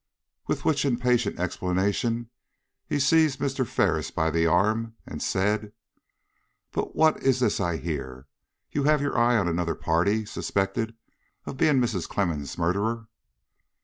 With which impatient explanation he seized Mr. Ferris by the arm and said: "But what is this I hear? You have your eye on another party suspected of being Mrs. Clemmens' murderer?"